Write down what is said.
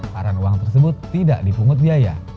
para uang tersebut tidak dipungut biaya